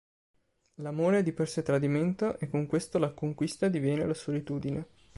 L'amore è di per sé tradimento e con questo “la conquista” diviene la solitudine.